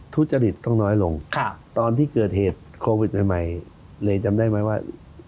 ทุจริตต้องน้อยลงตอนที่เกิดเหตุโควิดใหม่เลยจำได้ไหมว่า